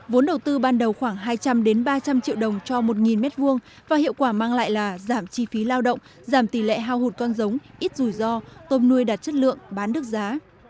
vốn đầu tư ban đầu khoảng hai trăm linh ba trăm linh triệu đồng cho một m hai và hiệu quả mang lại là giảm chi phí lao động giảm tỷ lệ hao hụt con giống ít rủi ro tôm nuôi đạt chất lượng bán được giá